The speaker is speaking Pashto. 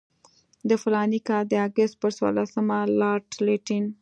د فلاني کال د اګست پر څوارلسمه لارډ لیټن.